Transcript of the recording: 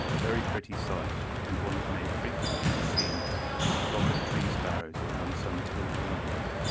A very pretty sight, and one that may frequently be seen, is a flock of Tree Sparrows around some tall weed.